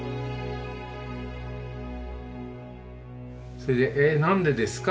それでえっ何でですか？